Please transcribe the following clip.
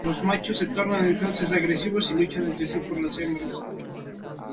Los machos se tornan entonces agresivos y luchan entre sí por las hembras.